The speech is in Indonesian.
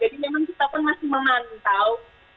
jadi memang kita pun masih memantau